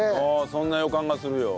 そんな予感がするよ。